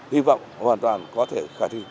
hy vọng hoàn toàn có thể khả thi